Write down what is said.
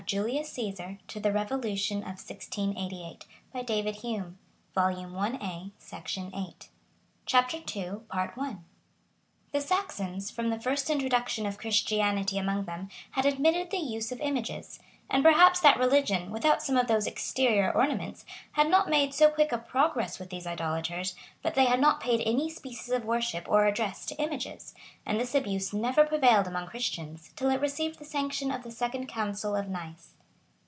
Eddius, sect. 12.] [ Spell. Concil. vol. i. p. 168.] [ Spell. Concil. vol. i. p. 171.] [ Spell. Concil. vol. i. p. 172, 173, 174.] CHAPTER II. The Saxons, from the first introduction of Christianity among them, had admitted the use of images; and perhaps that religion, without some of those exterior ornaments, had not made so quick a progress with these idolaters; but they had not paid any species of worship or address to images; and this abuse never prevailed among Christians, till it received the sanction of the second council of Nice.